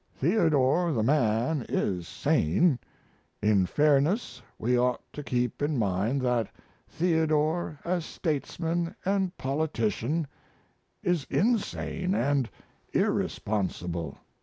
Theodore the man is sane; in fairness we ought to keep in mind that Theodore, as statesman & politician, is insane & irresponsible.